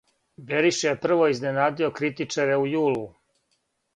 Бериша је прво изненадио критичаре у јулу.